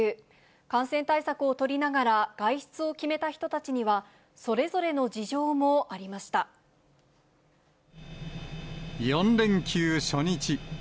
感染対策を取りながら外出を決めた人たちには、それぞれの事情も４連休初日。